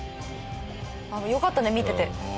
よかったね見てて。